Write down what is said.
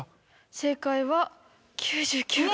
正解は９９巻。